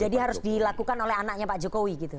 jadi harus dilakukan oleh anaknya pak jokowi gitu